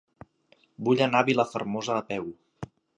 Vull anar a Vilafermosa a peu.